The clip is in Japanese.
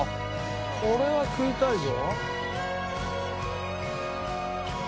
これは食いたいぞ。